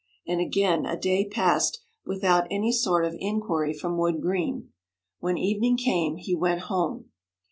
And again a day passed without any sort of inquiry from Wood Green. When evening came he went home.